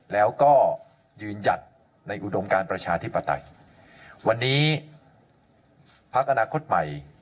แล้วก็ยืนหยัดในอุดมการประชาธิปไตยวันนี้พักอนาคตใหม่